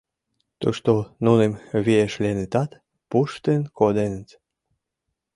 Тушто нуным виешленытат, пуштын коденыт.